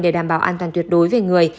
để đảm bảo an toàn tuyệt đối về người